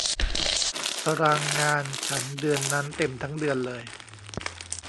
ตารางงานฉันเดือนนั้นเต็มทั้งเดือนเลย